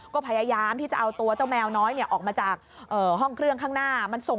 ก็พยายามที่จะเอาตัวเจ้าแมวน้อยออกมาจากห้องเครื่องข้างหน้ามันส่ง